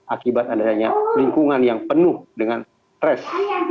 akibat adanya lingkungan yang penuh dengan stres